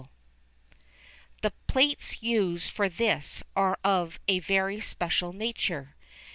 See p. 220] The plates used for this are of a very special nature.